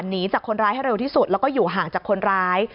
หนีจากคนร้ายให้เร็วที่สุดแล้วก็อยู่ห่างจากคนร้าย